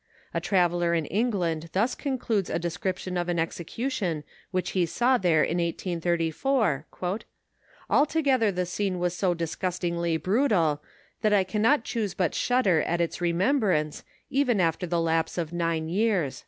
A traveller in England thus concludes a description of an execution which he saw there in 1834: Altogether the scene was so disgustingly brutal, that I cannot choose but shudder at its remembrance, even after the lapse of nine years."